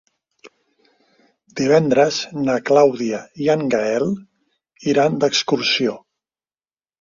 Divendres na Clàudia i en Gaël iran d'excursió.